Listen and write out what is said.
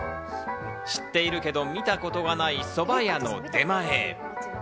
知っているけど見たことがないそば屋の出前。